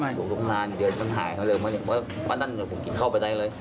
ถูกตรงนั้นเดือนมันหายมาเร็วมาเนี่ยตรงนั้นผมกินเข้าไปได้เลย